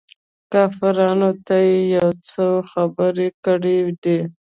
کافرانو ته يې يو څو خبرې کړي دي.